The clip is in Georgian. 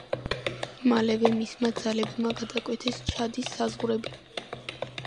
მალევე მისმა ძალებმა გადაკვეთეს ჩადის საზღვრები.